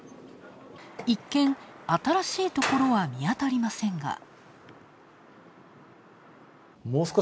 一見、新しいところは見当たりませんが。